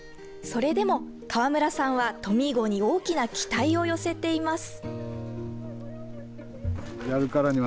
それでも、河村さんはトミー号に大きな期待を寄せています。